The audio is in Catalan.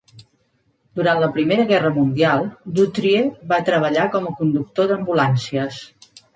Durant la Primera Guerra Mundial, Dutrieu va treballar com a conductor d'ambulàncies.